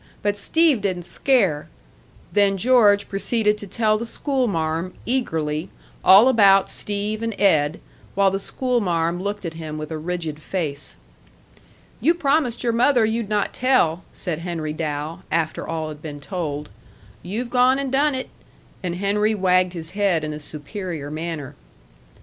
But Steve didn't scare." Then George proceeded to tell the schoolmarm, eagerly, all about Steve and Ed, while the schoolmarm looked at him with a rigid face. "You promised your mother you'd not tell," said Henry Dow, after all had been told. "You've gone and done it," and Henry wagged his head in a superior manner.